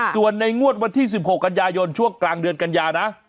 ส่วนในงวดวันที่๑๖กันยายนช่วงกลางเดือนกันยานะ